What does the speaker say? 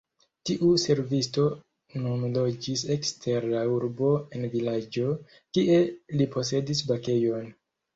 Tiu servisto nun loĝis ekster la urbo en vilaĝo, kie li posedis bakejon.